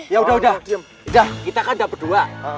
yaudah udah kita kan dapet dua